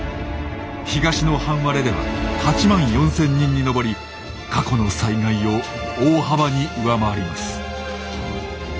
東の半割れでは８万４，０００人に上り過去の災害を大幅に上回ります。